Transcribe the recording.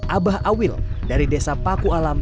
abah awil dari desa paku alam